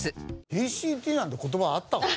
ＴＣＴなんて言葉あったか？